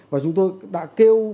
và chúng tôi đã kêu